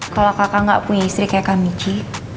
kalau kakak gak punya istri kayak kak michi